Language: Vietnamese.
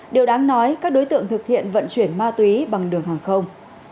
điều đáng nói các đối tượng thực hiện vận chuyển ma túy bằng đường hàng không